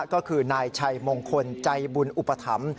ก็คือนายชัยมงคลใจบุญอุปถัมภ์